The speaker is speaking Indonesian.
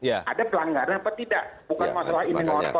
ada pelanggaran atau tidak bukan masalah imin masalah